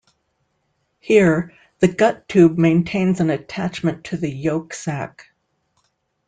Here, the gut tube maintains an attachment to the yolk sac.